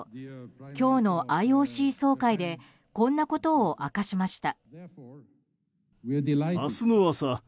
今日のＩＯＣ総会でこんなことを明かしました。